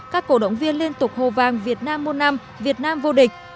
các cổ động viên liên tục hồ vang việt nam môn năm việt nam vô địch